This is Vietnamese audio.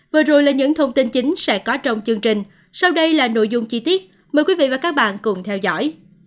vừa rồi là những thông tin chính sẽ có trong chương trình sau đây là nội dung chi tiết mời quý vị và các bạn cùng theo dõi